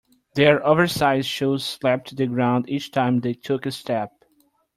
Their oversized shoes slapped the ground each time they took a step.